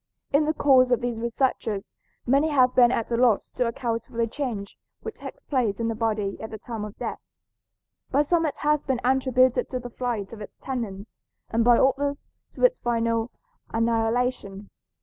In the course of these researches many have been at a loss to account for the change which takes place in the body at the time of death. By some it has been attributed to the flight of its tenant, and by others to its final annihilation.